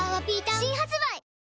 新発売